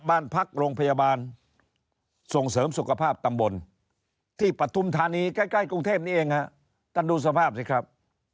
บ้านพักโรงพยาบาลส่งเสริมสุขภาพตำบลที่ปฐุมธานีใกล้กรุงเทพนี้เองฮะท่านดูสภาพสิครับ